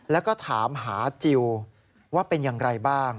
แล้วก็ถามหาจิลว่าเป็นอย่างไรบ้าง